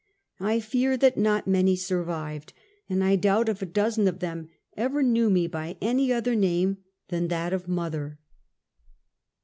I fear that not many survived, and doubt if a dozen of them ever knew me by any other name than that of " Mother."